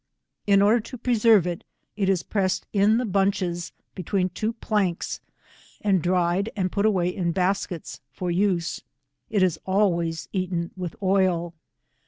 In order to pre* serve it, it is pressed in the bunches between two planks, and dried and put away in baskets for use. It is always eaten wilh oil.